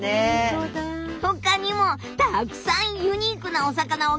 ほかにもたくさんユニークなお魚をギョっ